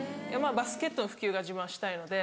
バスケットの普及が自分はしたいので。